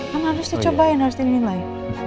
kan harus dicobain harus dinilai